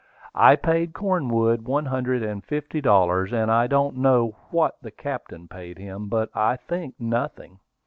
I paid Cornwood one hundred and fifty dollars; and I don't know what the captain paid him, but I think nothing.